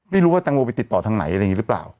ไม่รู้ว่าแตงโมไปติดต่อทางไหนอะไรอย่างนี้หรือเปล่า